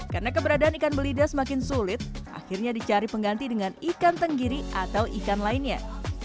karena keberadaan ikan belida semakin sulit akhirnya dicari pengganti dengan ikan tenggiri atau ikan lainnya